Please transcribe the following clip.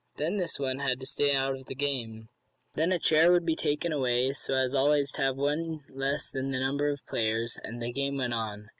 Then this one had to stay out of the game. Then a chair would be taken away, so as always to have one less than the number of players, and the game went on.